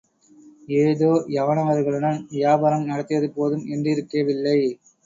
ஏதோ யவனவர்களுடன் வியாபாரம் நடத்தியது போதும் என்றிருக்கவில்லை.